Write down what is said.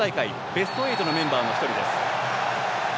ベスト８のメンバーの１人です。